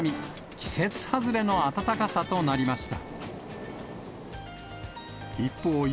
季節外れの暖かさとなりました。